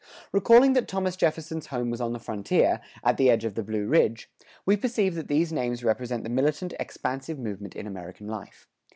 Recalling that Thomas Jefferson's home was on the frontier, at the edge of the Blue Ridge, we perceive that these names represent the militant expansive movement in American life.